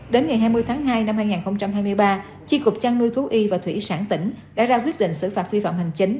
đến ngày hai mươi tháng hai năm hai nghìn hai mươi ba chi cục chăn nuôi thú y và thủy sản tỉnh đã ra quyết định xử phạt vi phạm hành chính